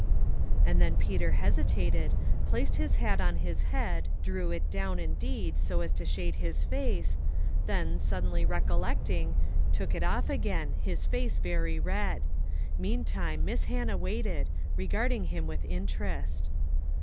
And then Peter hesitated, placed his hat on his head, drew it down, indeed, so aa to shade his face, then, suddenly recollecting, took it off again, his face very red. Meantime, Miss Hannah waited, regarding him with interest.